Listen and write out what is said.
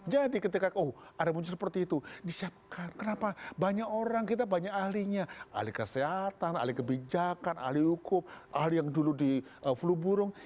jadi ketika oh ada muncul seperti itu disiapkan kenapa banyak orang kita banyak ahlinya ahli kesehatan ahli kebijakan ahli hukum ahli yang dulu di flu burung